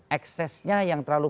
eksesnya yang terlalu